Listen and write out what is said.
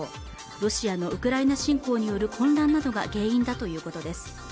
ロシアのウクライナ侵攻による混乱などが原因だということです